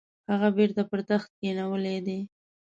هغه بیرته پر تخت کښېنولی دی.